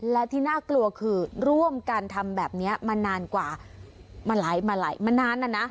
และที่น่ากลัวคือร่วมกันทำแบบนี้มานานกว่ามาไหลมาหลายมานานนะนะ